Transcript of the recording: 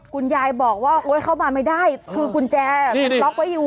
คุณยายบอกว่าโอ๊ยเข้ามาไม่ได้คือกุญแจมันล็อกไว้อยู่